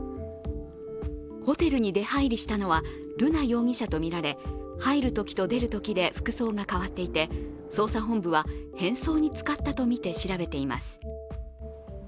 ホテルに出入りしたのは瑠奈容疑者とみられ入るときと出るときで服装が替わっていて捜査本部は変装に使ったとみて調べています。